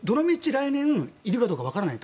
来年いるかどうか分からない。